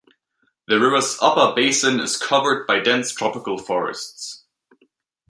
The river's upper basin is covered by dense tropical forests.